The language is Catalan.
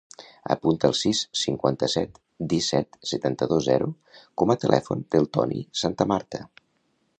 Apunta el sis, cinquanta-set, disset, setanta-dos, zero com a telèfon del Toni Santamarta.